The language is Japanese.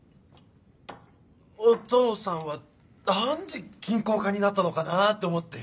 お父さんは何で銀行家になったのかなと思って。